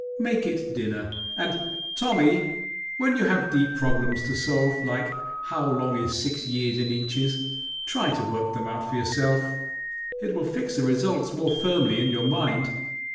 Make it dinner; and, Tommy, when you have deep problems to solve, like how long is six years in inches, try to work them out for yourself. It will fix the results more firmly in your mind."